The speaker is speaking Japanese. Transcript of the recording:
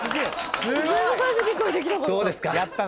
どうですか？